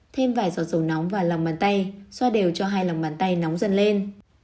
thêm vài giọt dầu nóng và lòng bàn tay xoa đều cho hai lòng bàn tay nóng dần lên